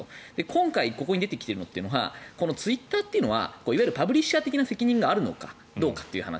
今回、ここに出てきているのはツイッターはいわゆるパブリッシャー的な責任があるのかどうかという話。